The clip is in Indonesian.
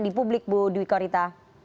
di publik bu duyko rita